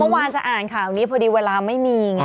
เมื่อวานจะอ่านข่าวนี้พอดีเวลาไม่มีไง